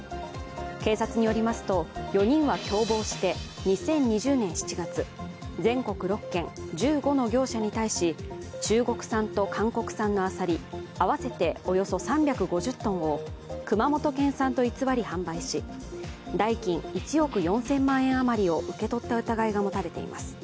警察によりますと、４人は共謀して２０２０年７月全国６県、１５の業者に対し中国産と韓国産のアサリ合わせておよそ３５０ｔを熊本県産と偽り販売し代金１億４０００万円余りを受け取った疑いが持たれています。